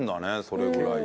それぐらいで。